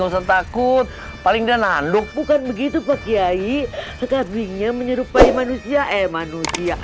takut takut paling dan anduk bukan begitu pak kyai setelah bingung menyerupai manusia manusia